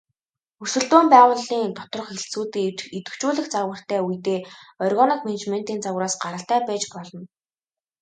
Өрсөлдөөн байгууллын доторх хэлтсүүдийг идэвхжүүлэх загвартай үедээ органик менежментийн загвараас гаралтай байж болно.